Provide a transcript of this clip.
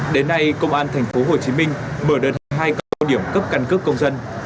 đến nay công an tp hcm mở đợt hai cao điểm cấp căn cước công dân